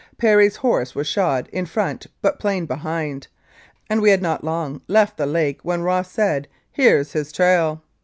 Perry's horse was shod in front but plain behind, and we had not long left the Lake when Ross said, "Here's his trail."